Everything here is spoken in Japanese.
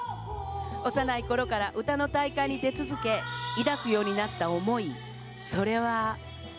幼いころから歌の大会に出続け抱くようになった思い、それは。